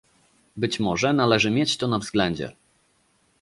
Być może należy mieć to na względzie